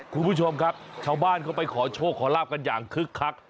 คุณผู้ชมครับชาวบ้านเข้าไปขอโชคขอลาบกันอย่างคึกคัก